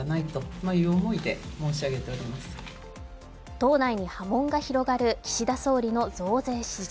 党内に波紋が広がる岸田総理の増税指示。